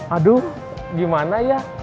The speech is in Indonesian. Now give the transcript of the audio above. aduh gimana ya